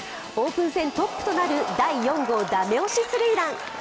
オープン戦トップとなる第４号ダメ押しスリーラン。